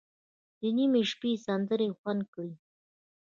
د نیمې شپې سندرې خوند کړي.